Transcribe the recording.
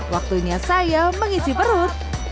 waktunya saya mengisi perut